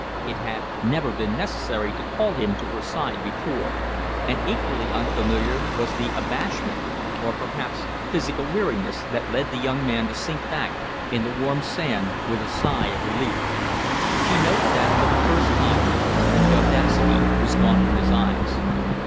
It had never been necessary to call him to her side before; and equally unfamiliar was the abashment, or perhaps physical weariness, that led the young man to sink back in the warm sand with a sigh of relief. She noted that, for the first time, the audacity was gone from his eyes.